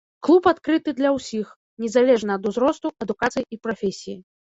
Клуб адкрыты для ўсіх, незалежна ад узросту, адукацыі і прафесіі.